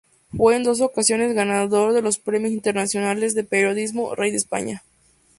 Fue en dos ocasiones ganador de los Premios Internacionales de Periodismo Rey de España.